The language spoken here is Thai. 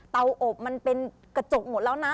อบมันเป็นกระจกหมดแล้วนะ